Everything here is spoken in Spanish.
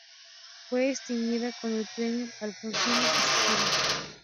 Fue distinguida con el premio Alfonsina Storni.